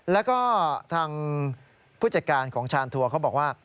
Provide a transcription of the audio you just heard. แล้วก็ทางผู้จัดการของชานทัวร์เขาบอกว่า